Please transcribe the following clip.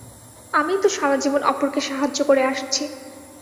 আমিই তো সারাজীবন অপরকে সাহায্য করে আসছি।